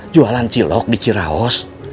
jualan cilok di ciraos